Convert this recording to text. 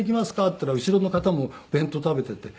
って言ったら後ろの方も弁当食べていて。